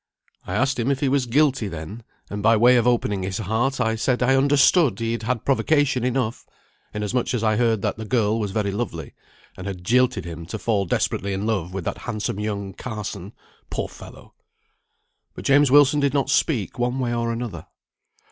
I asked him if he was guilty, then; and by way of opening his heart I said I understood he had had provocation enough, inasmuch as I heard that the girl was very lovely, and had jilted him to fall desperately in love with that handsome young Carson (poor fellow!). But James Wilson did not speak one way or another.